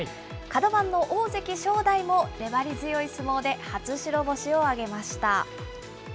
角番の大関・正代も粘り強い相撲で初白星を挙げました。